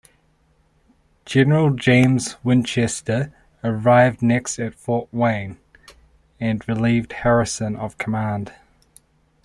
General James Winchester arrived next at Fort Wayne, and relieved Harrison of command.